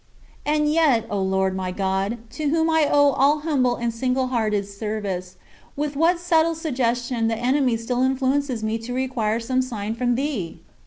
And yet, O Lord my God, to whom I owe all humble and singlehearted service, with what subtle suggestion the enemy still influences me to require some sign from thee!